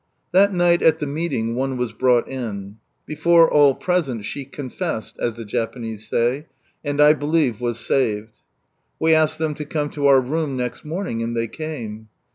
That night at the meeting, one was brought in. Before all present she " confessed," as the Japanese say, and I believe was saved. We asked them to come to our room next morning, and they came.